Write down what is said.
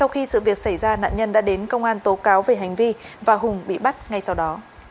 từ việc xảy ra nạn nhân đã đến công an tố cáo về hành vi và hùng bị bắt ngay sau đó